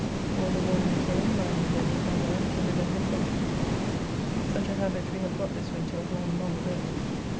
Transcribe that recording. All the morning at home lying in bed with my wife till 11 o'clock. Such a habit we have got this winter of lying long abed.